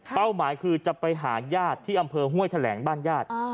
หมายคือจะไปหาญาติที่อำเภอห้วยแถลงบ้านญาติ